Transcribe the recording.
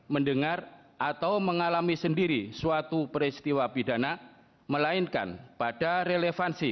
mendengar atau mengalami sendiri suatu peristiwa pidana melainkan pada relevansi